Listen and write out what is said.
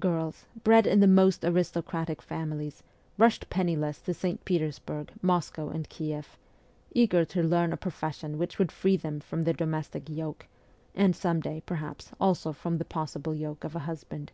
Girls, bred in the most aristocratic families, rushed penniless to St. Petersburg, Moscow, and Kieff, eager to learn a profession which would free them from the domestic yoke, and some day, perhaps, also from the possible yoke of a husband.